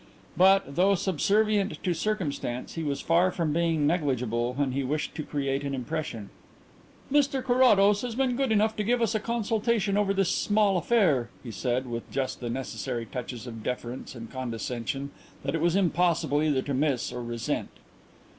But, though subservient to circumstance, he was far from being negligible when he wished to create an impression. "Mr Carrados has been good enough to give us a consultation over this small affair," he said, with just the necessary touches of deference and condescension that it was impossible either to miss or to resent.